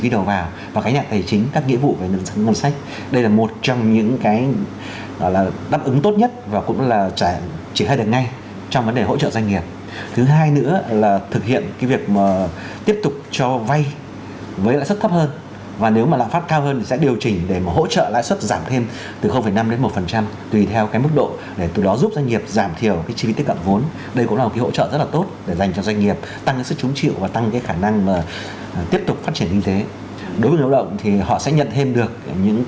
đây cũng là những dự án có thể triển khai được ngay trong hội nội dung hoạt động